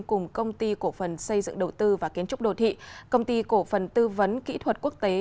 cùng công ty cổ phần xây dựng đầu tư và kiến trúc đô thị công ty cổ phần tư vấn kỹ thuật quốc tế